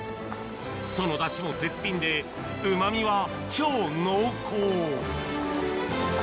そのだしも絶品で、うまみは超濃厚。